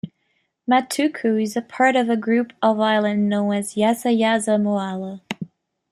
Matuku is part of a group of islands known as Yasayasa Moala.